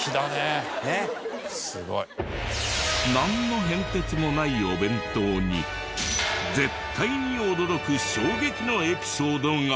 なんの変哲もないお弁当に絶対に驚く衝撃のエピソードが！